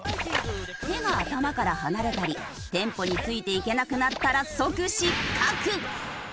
手が頭から離れたりテンポについていけなくなったら即失格！